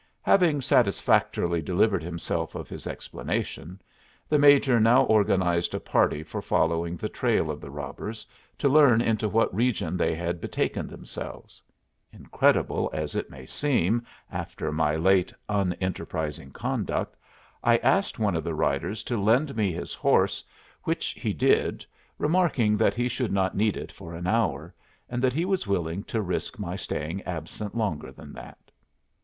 Having satisfactorily delivered himself of his explanation, the Major now organized a party for following the trail of the robbers, to learn into what region they had betaken themselves. Incredible as it may seem, after my late unenterprising conduct, I asked one of the riders to lend me his horse, which he did, remarking that he should not need it for an hour, and that he was willing to risk my staying absent longer than that.